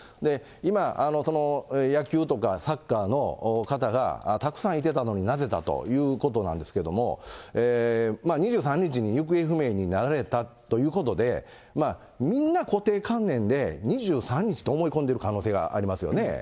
今、野球とかサッカーの方がたくさんいてたのになぜだということなんですけれども、２３日に行方不明になられたということで、みんな固定観念で２３日と思い込んでる可能性がありますよね。